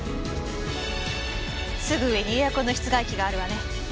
すぐ上にエアコンの室外機があるわね。